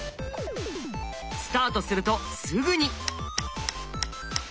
スタートするとすぐに。